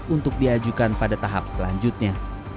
untuk diajukan pada tahap selanjutnya